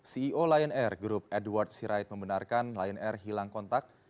ceo lion air group edward sirait membenarkan lion air hilang kontak